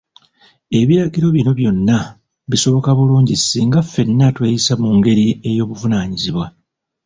Ebiragiro bino byonna bisoboka bulungi singa ffenna tweyisa mungeri ey'obuvunaanyizbwa.